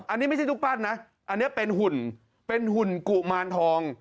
อันนี้ไม่ใช่รูปปั้นนะอันนี้เป็นหุ่นเป็นหุ่นกุมารทอง